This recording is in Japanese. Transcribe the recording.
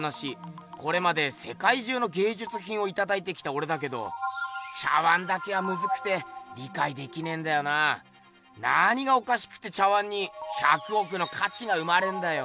これまでせかい中のげいじゅつひんをいただいてきたおれだけど茶碗だけはムズくて理かいできねんだよなぁ。何がおかしくて茶碗に「１００億のかち」が生まれんだよ。